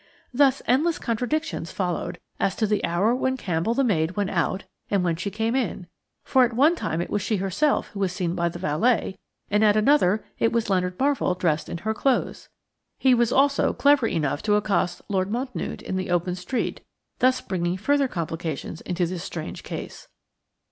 Thus, endless contradictions followed as to the hour when Campbell the maid went out and when she came in, for at one time it was she herself who was seen by the valet, and at another it was Leonard Marvell dressed in her clothes." He was also clever enough to accost Lord Mountnewte in the open street, thus bringing further complications into this strange case.